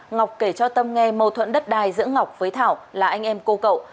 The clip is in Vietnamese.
ngọc kể cho tâm nghe mâu thuẫn đất đai giữa ngọc với thảo là anh em cô cậu